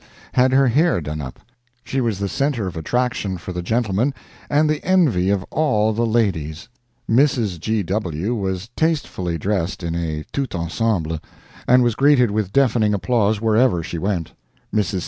had her hair done up. She was the center of attraction for the gentlemen and the envy of all the ladies. Mrs. G. W. was tastefully dressed in a 'tout ensemble,' and was greeted with deafening applause wherever she went. Mrs.